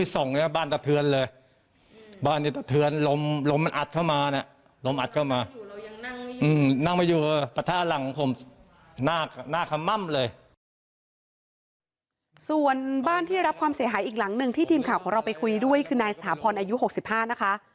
ส่วนบ้านที่รับความเสียหายอีกหลังหนึ่งที่ทีมข่าวของเราไปคุยด้วยคือนายสถาพรอายุ๖๕นะคะ